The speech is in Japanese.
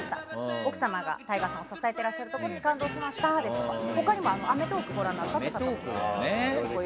奥様がＴＡＩＧＡさんを支えていらっしゃることに感動しましたとか他にも「アメトーーク！」をご覧になった方も。